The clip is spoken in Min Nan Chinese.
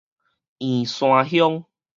員山鄉